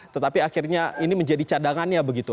tetapi akhirnya ini menjadi cadangannya begitu